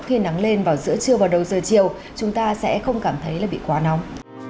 khi nắng lên vào giữa trưa và đầu giờ chiều chúng ta sẽ không cảm thấy là bị quá nóng